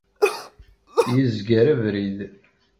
Yezger abrid.